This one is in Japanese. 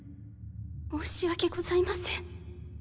申し訳ございません